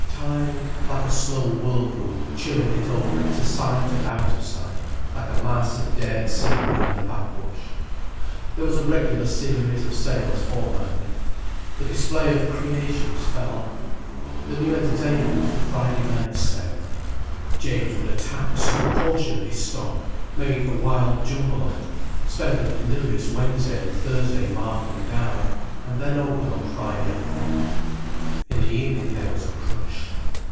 Time, like a slow whirlpool churned it over into sight and out of sight, like a mass of dead sea weed in a backwash. There was a regular series of sales fortnightly. The display of "creations" fell off. The new entertainment was the Friday night's sale. James would attack some portion of his stock, make a wild jumble of it, spend a delirious Wednesday and Thursday marking down, and then open on Friday afternoon. In the evening there was a crush.